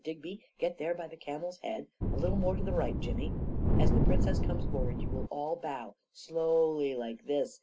Digby, get there by the earners head. A little more to the right, Jimmy. As the Princess comes forward, you will all bow — slowly, like this